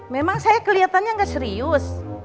memang saya kelihatannya nggak serius